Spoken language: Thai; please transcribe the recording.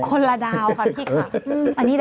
คนละดาวค่ะพี่ค่ะ